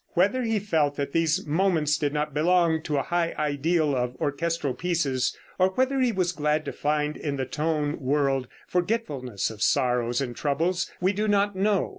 Whether he felt that these moments did not belong to a high ideal of orchestral pieces, or whether he was glad to find in the tone world forgetfulness of sorrows and troubles, we do not know.